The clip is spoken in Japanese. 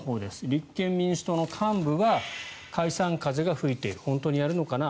立憲民主党の幹部は解散風が吹いている本当にやるのかな